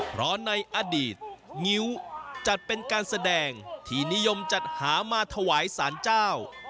เพราะในอดีตงิ้วจัดเป็นการแสดงที่นิยมจัดหามาถวายสารเจ้า